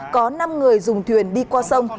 có năm người dùng thuyền đi qua sông